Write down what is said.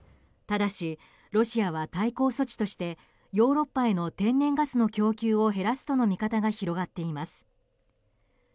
ただし、ロシアは対抗措置としてヨーロッパへの天然ガスの供給を減らすとの見方が広がっています。